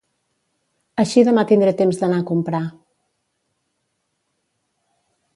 Així demà tindré temps d'anar a comprar